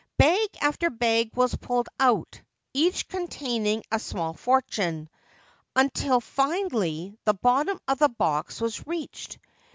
Bag after bag was pulled out, each containing a small fortune, until finally the bottom of the box was reached.